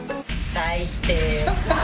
最低。